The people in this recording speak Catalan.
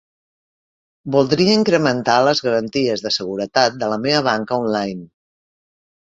Voldria incrementar les garanties de seguretat de la meva banca online.